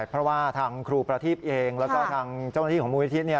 เพราะว่าทางครูประทีพเองแล้วก็ทางเจ้าหน้าที่ของมูลนิธิ